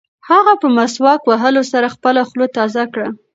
هغه په مسواک وهلو سره خپله خوله تازه کړه.